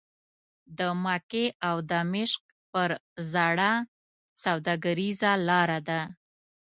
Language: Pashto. د مکې او دمشق پر زاړه سوداګریزه لاره ده.